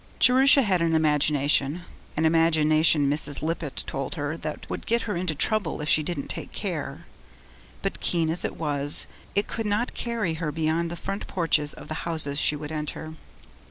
Jerusha had an imagination an imagination, Mrs. Lippett told her, that would get her into trouble if she didn't take care but keen as it was, it could not carry her beyond the front porch of the houses she would enter.